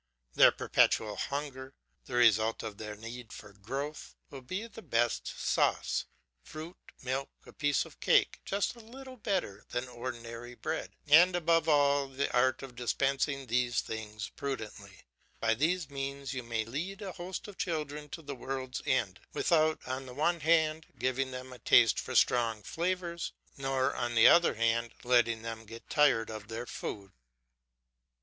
Their perpetual hunger, the result of their need for growth, will be the best sauce. Fruit, milk, a piece of cake just a little better than ordinary bread, and above all the art of dispensing these things prudently, by these means you may lead a host of children to the world's end, without on the one hand giving them a taste for strong flavours, nor on the other hand letting them get tired of their food.